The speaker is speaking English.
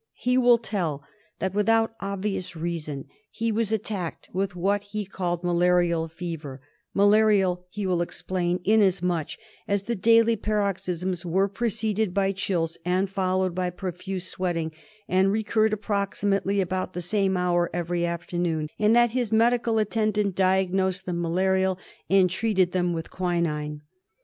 He will tell that without obvious reason he was attacked with what he called malarial J fever ; malarial, he will explain, inasmuch as the daily paroxysms were preceded by chills and followed by pro fuse sweating, and recurred approximately about the same I hour every afternoon, and that his medical attendant diagnosed them malarial, and treated them with quinine.